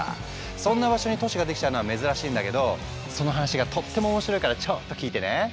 そんな場所に都市が出来ちゃうのは珍しいんだけどその話がとっても面白いからちょっと聞いてね。